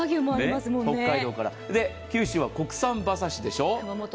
九州は国産馬刺しでしょう。